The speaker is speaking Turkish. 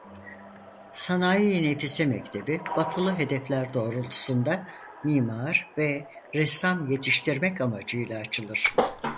Sanayi-i Nefise Mektebi batılı hedefler doğrultusunda mimar ve ressam yetiştirmek amacıyla açılır.